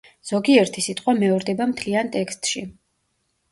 ზოგიერთი სიტყვა მეორდება მთლიან ტექსტში.